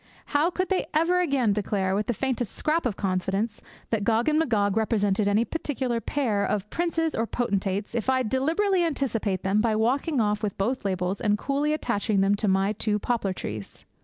How could they ever again declare, with the faintest scrap of confidence, that Gog and Magog represented any particular pair of princes or potentates if I deliberately anticipate them by walking off with both labels and coolly attaching them to my two poplar trees?